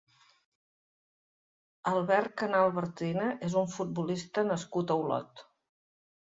Albert Canal Bartrina és un futbolista nascut a Olot.